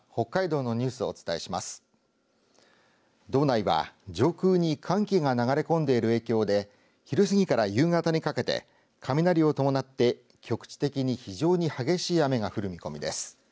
道内は、上空に寒気が流れ込んでいる影響で昼過ぎから夕方にかけて雷を伴って局地的に非常に激しい雨が降る見込みです。